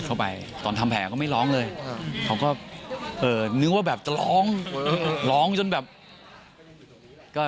เข้าไปตอนทำแผลก็ไม่ร้องเลยเขาก็เอ่อนึกว่าแบบจะร้องร้องจนแบบก็